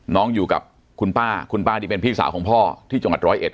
น้องอยู่กับคุณป้าคุณป้านี่เป็นพี่สาวของพ่อที่จงกัด๑๐๑